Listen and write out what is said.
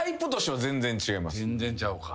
全然ちゃうか。